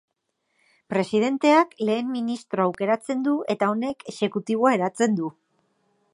Presidenteak lehen ministroa aukeratzen du eta honek exekutiboa eratzen du.